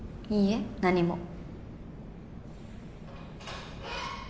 いいえ何も。